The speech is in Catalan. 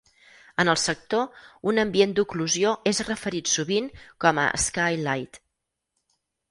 En el sector, un ambient d'oclusió és referit sovint com a "sky light".